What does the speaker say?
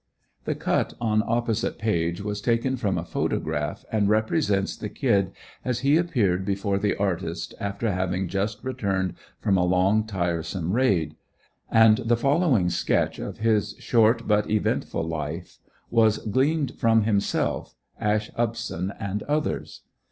The cut on opposite page was taken from a photograph and represents the "Kid" as he appeared before the artist after having just returned from a long, tiresome raid; and the following sketch of his short but eventful life was gleaned from himself, Ash Upson and others.